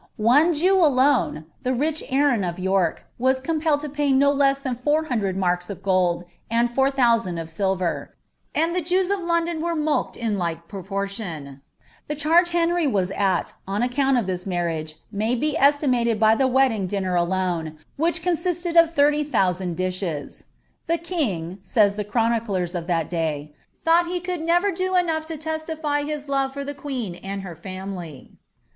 One Jew alone, the rich Aaron of T ■ pelled to pay no less than four hundred marks of gold, an :. of sHver; and the Jews of London were mulcted in lik. ■ The charge Henry was at, on account of tins marriage, may tw nsiimWni by the wedding dinner alone, which consisted of thirty ttiousand dolK " The kuig," say the chroniclers of that day, ■* thought lie never OMB do enough to testify his love for the queen and her fomily."'